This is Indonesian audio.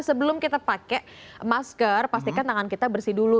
sebelum kita pakai masker pastikan tangan kita bersih dulu